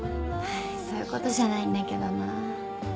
そういうことじゃないんだけどな。